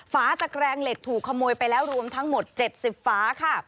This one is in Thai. ฝาตะแกรงเหล็กถูกขโมยไปแล้วรวมทั้งหมด๗๐ฝาค่ะ